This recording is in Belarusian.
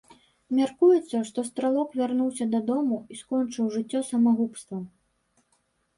Мяркуецца што стралок вярнуўся дадому і скончыў жыццё самагубствам.